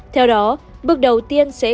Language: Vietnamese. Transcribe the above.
theo đó bước đầu tiên sẽ